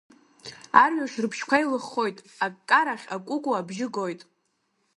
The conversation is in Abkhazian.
Арҩаш рыбжьқәа еилыххоит, аккарахь акәыкәу абжьы гоит.